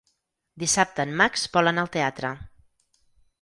Dissabte en Max vol anar al teatre.